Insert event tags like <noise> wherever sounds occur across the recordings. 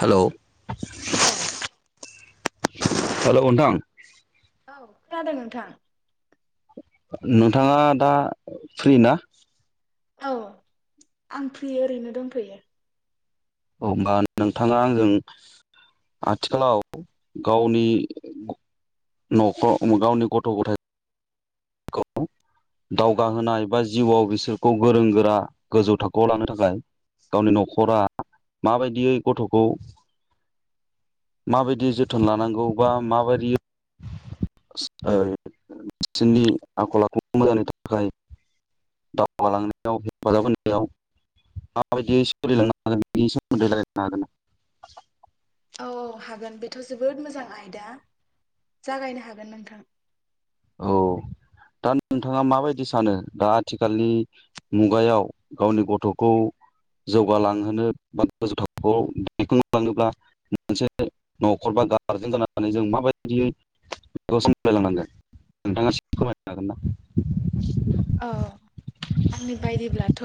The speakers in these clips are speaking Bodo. हेलौ औ हेलौ नोंथां औ खोनादों नोंथां। नोंथाङा दा फ्रि ना? औ आं फ्रि ओरैनो दंथ'यो। हमबा नोंथाङा आंजों आथिखालाव गावनि नखर गावनि गथ' गथाय दावगा औ होनाय एबा जिवाव बिसोरखौ गोरों गोरा गोजौ थाखोआव लानो थाखाय गावनि नखरा माबायदियै गथ'खौ माबायदि जोथोन लानांगौ बा माबायदि सि ओ <unintelligible> आखल आखु मोजांनि थाखाय दावगालांनायाव हेफाजाब होनायाव माबायदि सोलिलांनो हागोन बेनि सोमोन्दै रालायनो हागोन नामा? औ औ हागोन बेथ' जोबोद मोजां आयदा जागायनो हागोन नोंथां। औ दा नोंथाङा माबायदि सानो दा आथिखालनि मुगायाव गावनि गथ'खौ जौगालांहोनो बा गोजौ थाखोआव दैखांलाङोब्ला मोनसे न'खर बा गारजेन जानानै जों माबायदि <unintelligible> सामलायलांनांगोन? नोंथाङा एसे फोरमायनो हागोन नामा? औ आंनि बायदिब्लाथ'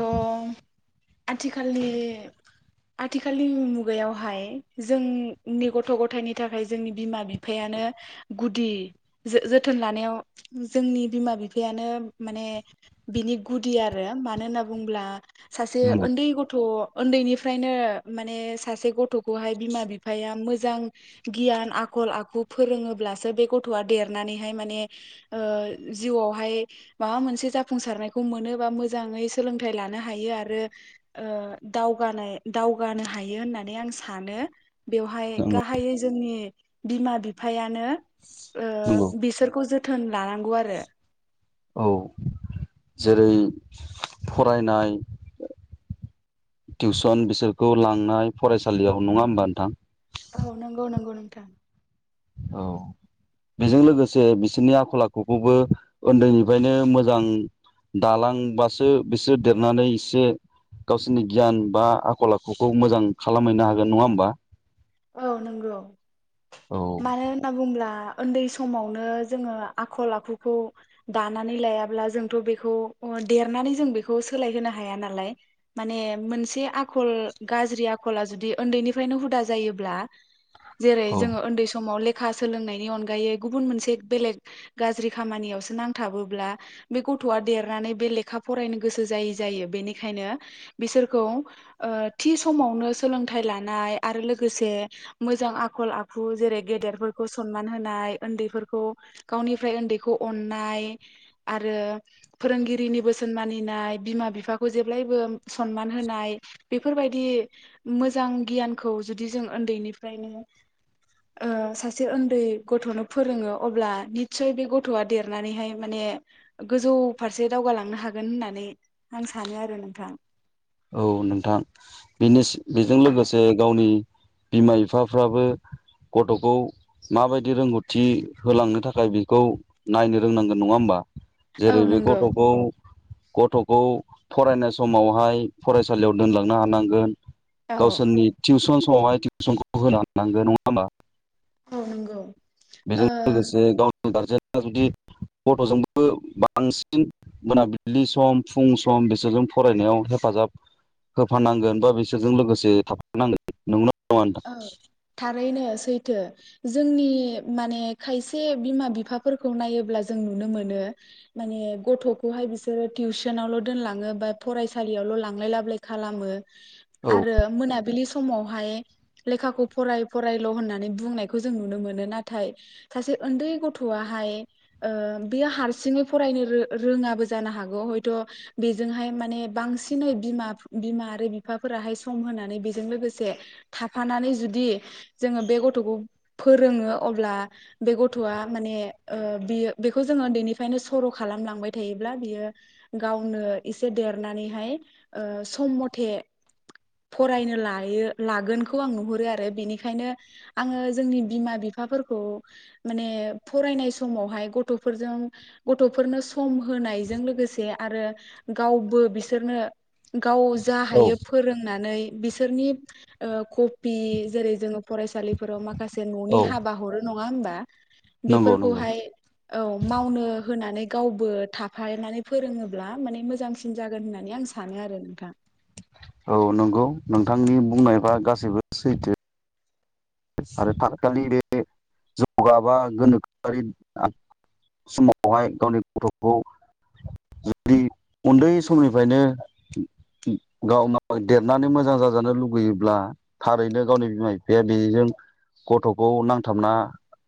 आथिखालनि आथिखालनि मुगायावहाय जोंनि गथ' गथायनि थाखाय जोंनि बिमा बिफायानो गुदि जोथोन लानायाव जोंनि बिमा बिफायानो माने बिनि गुदि आरो मानो होनना बुङोब्ला सासे नंगौ उन्दै गथ' उन्दैनिफ्रायनो माने सासे गथ'खौहाय बिमा बिफाया मोजां गियान आखल आखु फोरोङोब्लासो बे गथ'आ देरनानैहाय माने ओ जिउआवहाय माबा मोनसे। जाफुंसारनायखौ मोनोबा मोजाङै सोलोंथाइ लानो हायो आरो दावगानाय दावगानो हायो होननानै आं सानो बेवहाय नंगौ गाहायै जोंनि बिमा बिफाया। नो नंगौ ओ बिसोरखौ जो थोन लानांगौ आरो। औ। जेरै फरायनाय टिउसन बिसोरखौ लांनाय फरायसालियाव नङा होमबा नोंथां। औ नंगौ नंगौ नोंथां। औ बेजों लोगोसे बिसोरनि आखल आखुखौबो उन्दैनिफ्रायनो मोजां दालांबासो बिसोर देरनानै एसे गावसोरनि गियान बा आखल आखुखौ मोजां खालामहैनो हागोन नङा होमबा। औ नंगौ। मानो होनना बुंब्ला। उन्दै समावनो जोङो आखल आखुखौ दानानै लायाब्ला जोंथ बेखौ अ देरनानै जों बेखौ सोलाय होनो हाया नालाय माने मोनसे आखल गाज्रि आखला जुदि उन्दैनिफ्राइनो हुदा जायो ब्ला। जेरै जोङो उन्दै समाव ले खा सोलोंनायनि अनगायै गुबुन मोनसे बेलेक गाज्रि खामानियावसो नांथाबोब्ला बे गथ'आ देरनानै बे लेखा फरायनो गोसो जायै जायो बेनिखायनो बिसोरखौ ओ थि समावनो सोलोंथाइ लानाय आरो गोसे मोजां आखल आखु जेरै गेदेरफोरखौ सनमान होनाय उन्दैफोरखौ गावनिफ्राय उन्दैखौ अननाय आरो फोरोंगिरिनि बोसोन मानिनाय बिमा बिफाखौ जेब्लायबो सनमान होनाय बेफोरबायदि मोजां गियानखौ। जुदि जों उन्दैनिफ्रायनो ओ सासे उन्दै गथ'नो फोरोङो अब्ला निस्सय बे गथ'आ देरनानैहाय माने गोजौ फारसे दावगालांनो हागोन होननानै आं सानो आरो नोंथां। औ नोंथां बेनि बिनिस-बेजों लोगोसे गावनि बिमा बिफाफ्राबो गथ'खौ माबायदि रोंगौथि होलांनो थाखाय बेखौ नायनो रोंनांगोन नङा होमबा। औ जेरै बे नंगौ गथ'खौ। गथ'खौ फरायनाय समावहाय। फरायसालियाव दोनलांनो हानांगोन। औ गावसोरनि थिउसन। <unintelligible> औ नंगौ। बेजों ओ लोगोसे गाव गारजेन। जुदि गथ'जोंबो बांसिन मोनाबिलि सम फुं सम बिसोरजों फरायनायाव हेफाजाब होफानांगोन बा बिसोरजों लोगोसे थाफानांगोन नोंगौना? <unintelligible> रैनो सैथो जोंनि माने खायसे बिमा बिफाफोरखौ नायोब्ला जों नुनो मोनो माने गथ'खौहाय बिसोरो टिउसनावल' दोनलाङो बा फरायसालियावल' लांलाय लाबोलाय खालामो। आरो औ मोनाबिलि। समावहाय। लेखाखौ फराय फरायल' होननानै बुंनायखौ जों नुनो मोनो नाथाय सासे उन्दै गथ'आहाय ओ बेयो हारसिङै फरायनो रो-रोङाबो जानो हागौ हयथ' बेजोंहाय माने बांसिनै बिमा बिमा आरो बिफाफोराहाय सम होनानै बेजों लोगोसे थाफानानै जुदि जोङो बे गथ'खौ फोरोङो अब्ला बे गथ'आ माने ओ बियो बेखौ जोङो उन्दैनिफ्रायनो सर' खालामलांबाय थायोब्ला बियो गावनो एसे देरनानैहाय ओ सम मथे फरायनो लायो लागोन। खौ आं नुहुरो आरो बेनिखायनो आङो जोंनि बिमा बिफाफोरखौ माने फरायनाय समावहाय गथ'फोरजों गथ'फोरनो सम होनायजों लोगोसे आरो गावबो बिसोरनो। गाव जा औ हायो फोरोंनानै। बिसोरनि ओ कपि जेरै जोङो फरायसालिफोराव मा खासे न'नि औ हाबा हरो न ङा होनबा। नंगौ नंगौ बेफोरखौहाय औ मावनो होनानै। गावबो थाफानानै फोरोङोब्ला माने मोजांसिन जागोन होननानै आं सानो आरो नोंथां। औ नंगौ नोंथांनि बुंनायबा गासैबो सैथो। आरो दाखालि बे जौगा बा गोनोखोआरि समावहाय गावनि गथ'खौ जुदि उन्दै समनिफ्रायनो गाव देरनानै मोजां जाजानो लुुबैयोब्ला थारैनो गावनि बिमा बिफाया बेजों गथ'खौ नांथाबना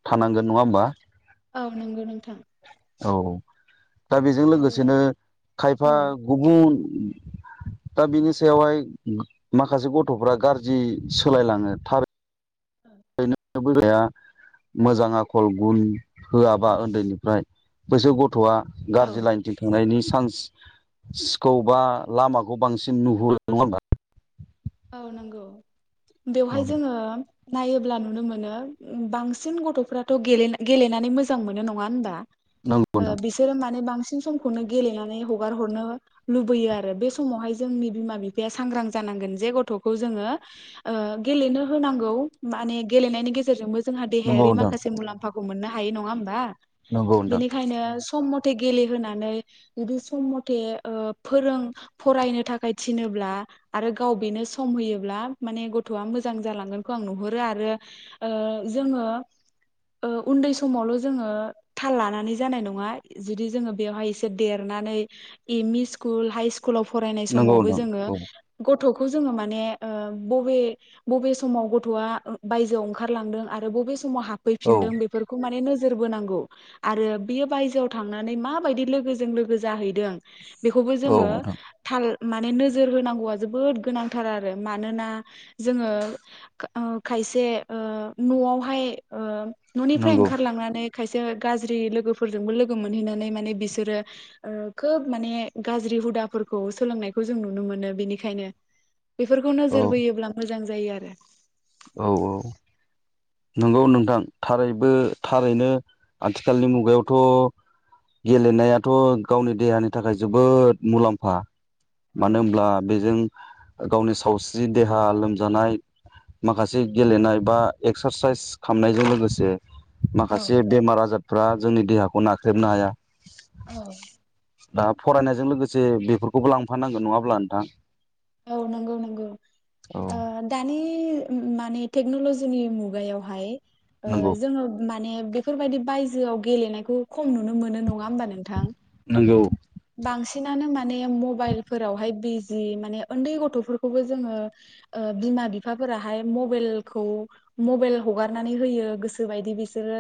थानांगोन नङा होमबा? औ नंगौ नोंथां। औ दा बेजों आरो लोगोसेनो औ खायफा गुबुन दा बिनि सायावहाय माखासे गथ'फ्रा गाज्रि सोलायलाङो। थार औ। <unintelligible> मोजां आखल गुन होआबा उन्दैनिफ्राय बेसोर गथ' गथ'आ गाज्रि औ लाइनथिं थांनायनि सान्स सिखौ बा लामाखौ बांसिन नुहुर नङा होनबा? औ नंगौ। बेवहाय जोङो नायोब्ला नुनो मोनो बांसिन गथ'फ्राथ' गेलेनानै मोजां मोनो नङा होनबा? नंगौ ओ नोंथां बिसोरो माने बांसिन बांसिनखौनो गेलेनानै हगार हरनो लुबैयो आरो बे समावहाय जोंनि बिमा बिफाया सांग्रां जानांगोन। जे गथ' जोङो गेलेनो होनांगौ माने गेलेनायनि गेजेरजोंबो जोंहा नंगौ देहायारि नोंथां माखासे मुलाम्फा खौ मोननो हायो नङा होमबा? नंगौ नोंथां बेनिखायनो सम म थे गेलेहोनानै जुदि सम मथे फोरों फरायनो थाखाय थिनोब्ला आरो गाव बेनो सम होयोब्ला माने गथ'आ मोजां जालांगोनखौ आं नुहरो आरो जोङो उन्दै समावल' जोङो थाल लानानै जानाय नङा जुदि जोङो बेवहाय एसे देरनानै M E school high school स्कुलाव फरायनाय नंगौ समावबो जोङो। नोंथां औ गथ'खौ जोंनो माने बबे बबे समाव गथ'आ बायजोआव ओंखारलांदों आरो बबे स समाव औ हाफैफिनदों बेफोरखौ माने नों जोरबो नांगौ आरो बे बायजोआव थांनानै मायदि लोगो जों लोगो जाहै दों बेखौबो औ जोङो नोंथां थाल। माने नोजोर होनांगौआ जोबोद गोनांथार आरो मानोना जोङो खायसे न'आवहाय। न'निफ्राय नंगौ ओंखारलांनानै खायसे गाज्रि लोगोफोरजोंबो लोगो मोनहैनानै माने बिसोरो खोब माने गाज्रि हुदाफोरखौ सोलोंनायखौ जों नुनो मोनो। बिनिख खायनो। बेफोरखौ औ नोजोर बोयोब्ला मोजां जायो आरो। औ औ नंगौ नोंथां थारैबो थारैनो आथिखालनि मुगायावथ' गेलेनायाथ' गावनि देहानि थाखाय जोबोद मुलाम्फा। औ मानो होनब्ला बेजों गावनि सावस्रि देहा लोमजानाय माखासे गेलेनाय बा एक्सारसाइस खालामनायजों लोगोसे माखासे बेमार आजार फ्रा जोंनि देहाखौ नाख्रेबनो हाया। औ दा फरायनायजों लोगोसे बेफोरखौबो लांफानांगोन नङाब्ला नोंथां। औ नंगौ नंगौ औ दानि माने टेक्नलजिनि मुगायावहाय नंगौ जोङो माने बेफोरबायदि बायजोआव गेलेनायखौ खम नुनो मोनो नङा होमबा नोंथां? नंगौ। बांसिनानो माने मबाइलफोरावहाय बिजि माने उन्दै गथ'फोरखौबो जोङो ओ बिमा बिफाफोराहाय मबेलखौ मबेल हगारनानै होयो गोसो बायदि बिसोरो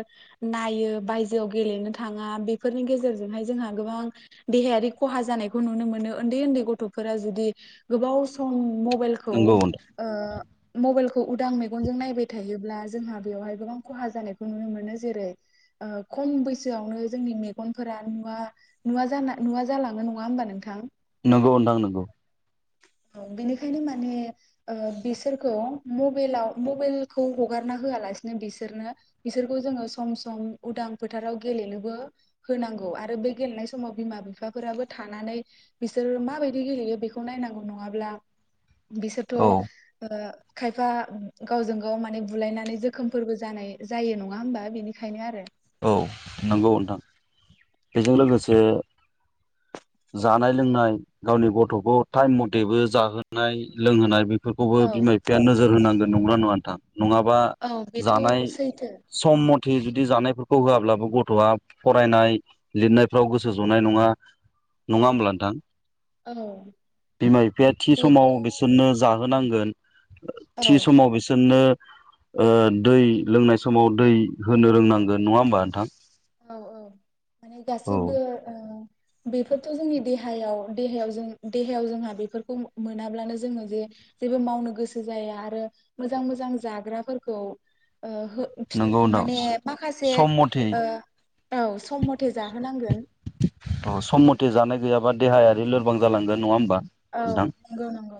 नायो बायजोआव गेलेनो थाङा बेफोरनि गेजेरजोंहाय जोंहा गोबां देहायारि खहा जानायखौ नुनो मोनो ओन्दै ओन्दै गथ'फोरा जुदि गोबाव सम मबेल खौ नंगौ ओ मबाइलखौ उदां मेगनजों नायबाय थायोब्ला जोंहा बेवहाय गोबां ओ खहा जानायखौ नुनो मोनो जेरै खम बैसोआवनो जोंनि मेगनफोरा नुवा नुवा जान नुवा जालाङो नङा होमबा नोंथां? नंगौ नोंथां नंगौ। ओ बेनिखायनो माने ओ बिसोरखौ मबेलाव मबेलखौ हगारना होआलासिनो बिसोरनो बिसोरखौ जोङो सम सम उदां फोथाराव गेलेनोबो होनांगौ आरो बे गेलेनाय समाव बिमा बिफ फाफोराबो थानानै बिसोरो माबायदि गेलेयो बेखौ नायनांगौ नङाब्ला बिसोरथ' औ ओ खायफा गावजों गाव माने बुलायनानै जोखोमफोरबो जानाय जायो नङा होमबा बेनिखायनो आरो। औ नंगौ नोंथां बेजों लोगोसे जानाय लोंनाय गावनि गथ'खौ टाइम मथेबो जाहोनाय लोंहोनाय बे फोरखौबो औ बिमा बिफाया नोजोर होनांगोन। नंगौना नङा नोंथां? नङाबा औ बेथ' जानाय सैथो सम मथे जुदि जानायफोरखौ होआब्ला ओ गथ'आ फरायनाय लिरनायफ्राव गोसो जनाय नङा। औ नङा होमब्ला नोंथां औ बिमा बिफाया थि बेथ' समाव बिसोरनो जा होनांगोन। थि औ समाव बिसोरनो ओ दै लोंनाय समाव दै होनो रोंनांगोन नङा होमबा नोंथां? औ औ। मानि औ गासिबो ओ बेफोरथ' जोंनि देहायाव देहायाव जों देहायाव जोंहा बेफोरखौ मोन मोनाब्लानो जोङो जे जेबो मावनो गोसो जाया आरो मोजां मोजां जाग्राफोरखौ ओ हो फिन नंगौ माने नोंथां माखासे सम मथे ओ औ सम मत मथे जाहोनांगोन। थह सम मथे जानाय गैयाबा देहाया ओ लोरबां जालांगोन नङा होमबा। औ नंगौ नंगौ।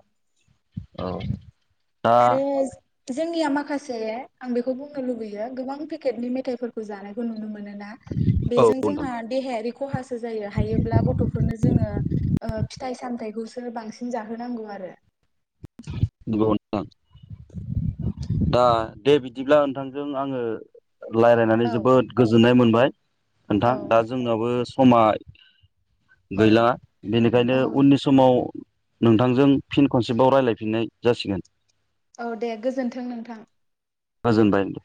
औ आरो जोंनिया माखासे आं बेखौ बुंनो लुुबैयो गोबां पेकेटनि मेथाइफोरखौ जानायखौ नुनो मोन‌ मोनोना औ बेजों नोंथां जोंहा देहायारि खहासो जायो हायोब्ला गथ'फोरनो जोङो ओ फिथाइ सामथाइखौसो बांसिन जाहोनांगौ आरो। नंगौ नोंथां। दा दे बिदिब्ला नोंथांजों आङो रायलायनानै औ जोबोद गोजोननाय मोन बाय। खोनथा औ दा जोंनाबो स समा गैला बेनिखायनो औ उननि समाव नोंथांजों फिन खनसे बाव रायलायफिननाय जासिगोन। औ दे गोजोन्थों नोंथां। गोजोनबाय दे।